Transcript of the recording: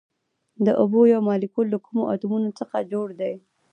د اوبو یو مالیکول له کومو اتومونو څخه جوړ دی